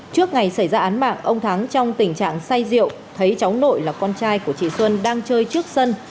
trước ngày xảy ra án mạng ông thắng trong tình trạng say rượu thấy cháu nội là con trai của chị xuân đang chơi trước sân